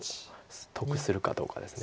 得するかどうかです。